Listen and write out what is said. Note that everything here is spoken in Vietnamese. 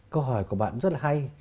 câu hỏi của bạn rất là hay